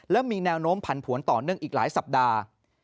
และมีแนวโน้มผันผวนต่อเนื่องอีกหลายสัปดาห์